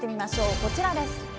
こちらです。